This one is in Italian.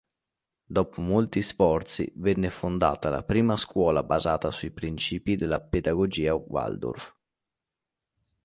Dopo molti sforzi venne fondata la prima scuola basata sui principi della pedagogia Waldorf.